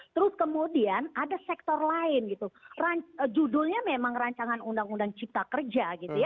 terus kemudian ada sektor lain gitu judulnya memang rancangan undang undang cipta kerja gitu ya